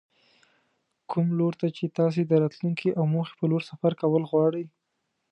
کوم لور ته چې تاسې د راتلونکې او موخې په لور سفر کول غواړئ.